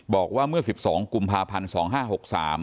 บอกว่าเมื่อ๑๒กุมภาพันธุ์๒๕๖๓